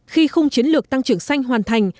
khi khung chiến lược tăng trưởng xanh hoàn thành